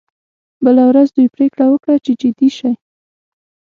بله ورځ دوی پریکړه وکړه چې جدي شي